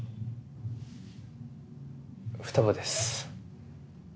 二葉です。